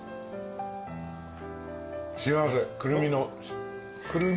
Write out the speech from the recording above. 幸せ。